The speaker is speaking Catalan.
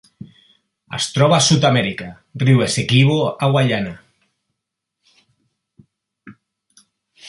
Es troba a Sud-amèrica: riu Essequibo a Guaiana.